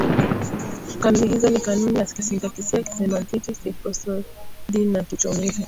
Kanuni hizo ni kanuni ya kisintaksia, kisemantiki, kiprosodi na kiuchomizi.